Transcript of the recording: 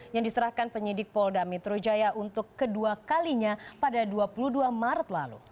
yang diserahkan penyidik paul damitrujaya untuk kedua kalinya pada dua puluh dua maret lalu